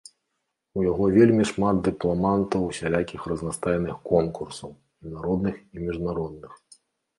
У яго вельмі шмат дыпламантаў усялякіх разнастайных конкурсаў і народных і міжнародных.